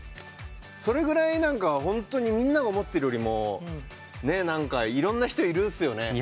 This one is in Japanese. それぐらいみんなが思ってるよりもいろんな人いるんすよね。